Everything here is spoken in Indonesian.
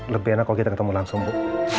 lebih enak kalau kita ketemu langsung bu